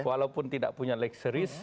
walaupun tidak punya lekseris